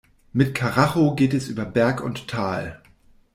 Mit Karacho geht es über Berg und Tal.